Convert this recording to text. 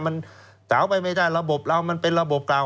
มันเต๋าไปไม่ได้ระบบเรา